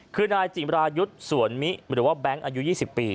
คือนายจิมรายุทธ์สวนมิหรือว่าแบงค์อายุ๒๐ปี